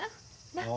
なっ？